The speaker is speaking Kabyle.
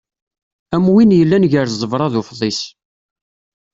Am win yellan gar ẓẓebra d ufḍis.